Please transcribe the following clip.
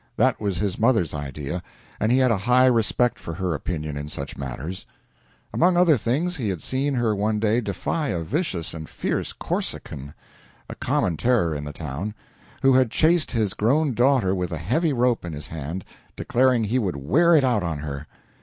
That was his mother's idea, and he had a high respect for her opinion in such matters. Among other things, he had seen her one day defy a vicious and fierce Corsican a common terror in the town who had chased his grown daughter with a heavy rope in his hand, declaring he would wear it out on her.